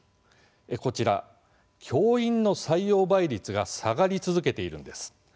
こちら教員の採用倍率が下がり続けているんです。